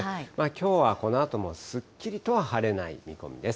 きょうはこのあともすっきりとは晴れない見込みです。